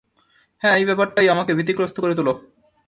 হ্যাঁ, এই ব্যাপারটাই আমাকে ভীতিগ্রস্ত করে তোলো।